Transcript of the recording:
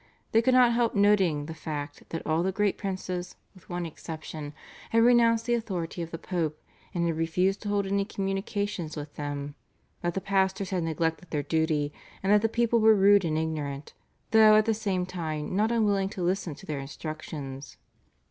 They could not help noting the fact that all the great princes, with one exception, had renounced the authority of the Pope and had refused to hold any communications with them, that the pastors had neglected their duty, and that the people were rude and ignorant, though at the same time not unwilling to listen to their instructions.